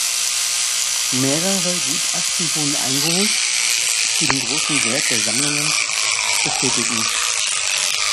Mehrere Gutachten wurden eingeholt, die den grossen Wert der Sammlungen bestätigten.